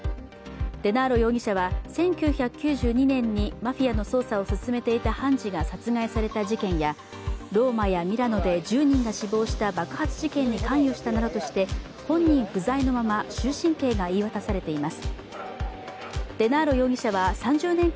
デナーロ容疑者は、１９９２年にマフィアの捜査を進めていた判事が殺害された事件や、ローマやミラノで１０人が死亡した爆発事件に関与したなどとして本人不在のまま終身刑が言い渡されています。